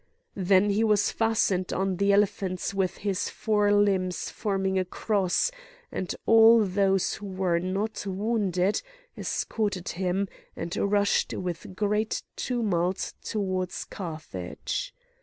Then he was fastened on the elephants with his four limbs forming a cross; and all those who were not wounded escorted him, and rushed with great tumult towards Carthage.